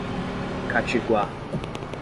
Catiguá